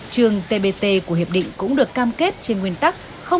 trường tbt của hiệp định cũng được cam kết trên nguyên tắc